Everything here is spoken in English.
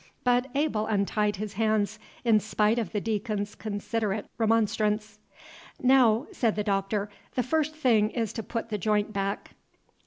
But Abel untied his hands, in spite of the Deacon's considerate remonstrance. "Now," said the Doctor, "the first thing is to put the joint back."